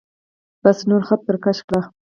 بس نور خط پر کش کړئ.